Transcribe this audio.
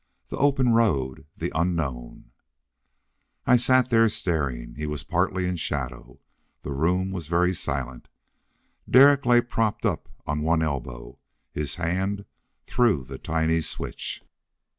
The open road, the unknown! I sat there staring. He was partly in shadow. The room was very silent. Derek lay propped up on one elbow. His hand threw the tiny switch.